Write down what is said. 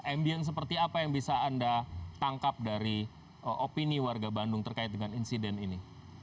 ambience seperti apa yang bisa anda tangkap dari opini warga bandung terkait dengan insiden ini